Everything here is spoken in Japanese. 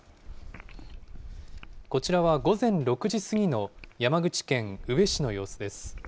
こちらは午前６時過ぎの山口県宇部市の様子です。